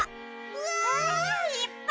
うわ！いっぱい。